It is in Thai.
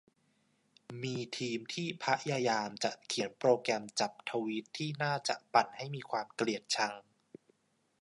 มีทีมที่พยายามจะเขียนโปรแกรมจับทวีตที่น่าจะปั่นให้มีความเกลียดชัง